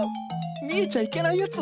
見えちゃいけないやつ？